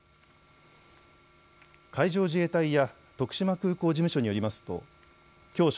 海上自衛隊や徳島空港事務所によりますときょう正